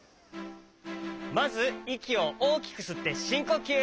まずいきをおおきくすってしんこきゅう。